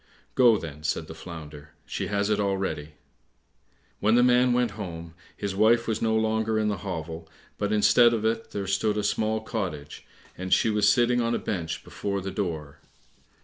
"Go, then," said the Flounder, "she has it already." When the man went home, his wife was no longer in the hovel, but instead of it there stood a small cottage, and she was sitting on a bench before the door.